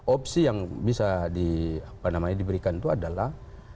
opsi yang bisa diberikan itu adalah